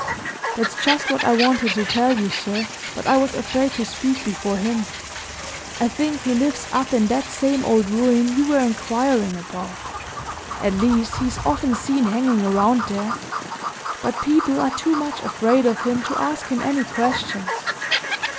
"That's just what I wanted to tell you, sir, but I was afraid to speak before him. I think he lives up in that same old ruin you were inquiring about at least, he is often seen hanging around there; but people are too much afraid of him to ask him any questions.